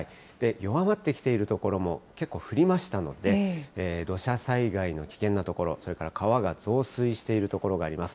弱まってきている所も結構、降りましたので、土砂災害の危険な所、それから川が増水している所があります。